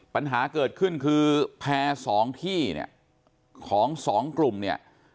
ปัญหาเกิดขึ้นคือแพร่สองที่เนี่ยของสองกลุ่มเนี่ย